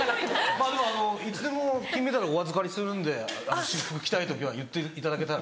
まぁでもあのいつでも金メダルお預かりするんで私服着たい時は言っていただけたら。